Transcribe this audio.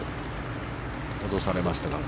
戻されましたが。